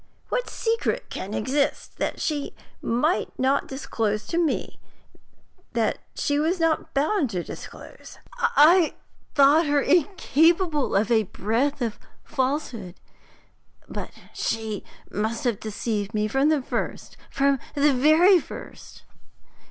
What secret can exist that she might not disclose to me that she was not bound to disclose? I thought her incapable of a breath of falsehood, and she must have deceived me from the first, from the very first!'